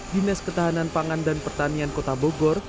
dinas ketahanan pangan dan pertanian kota bogor